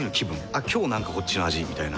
「あっ今日なんかこっちの味」みたいな。